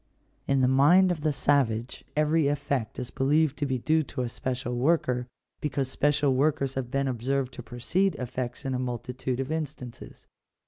In the mind of the savage every effect is believed to be due to a special worker, because special workers have been observed to precede effects in a multitude of instances.